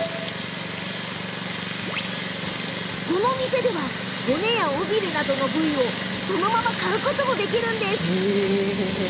この店では骨や尾びれなどの部位をそのまま買うこともできます。